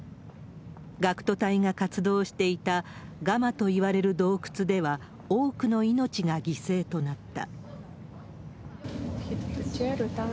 学徒隊が活動していたガマといわれる洞窟では、多くの命が犠牲となった。